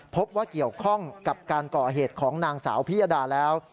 พบว่าเกี่ยวข้องกับการก่อเหตุของนางสาวพิยดาแล้ว